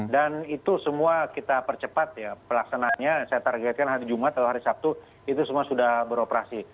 dan itu semua kita percepat ya pelaksanaannya saya targetkan hari jumat atau hari sabtu itu semua sudah beroperasi